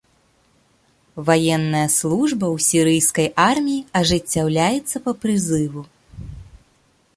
Ваенная служба ў сірыйскай арміі ажыццяўляецца па прызыву.